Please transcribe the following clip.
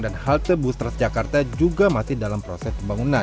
dan halte busway jakarta juga masih dalam proses pembangunan